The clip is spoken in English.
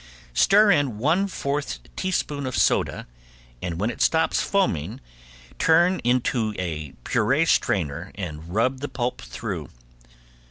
Stir in one fourth teaspoon of soda, and when it stops foaming turn into a puree strainer and rub the pulp through.